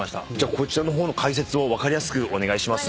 こちらの方の解説を分かりやすくお願いします。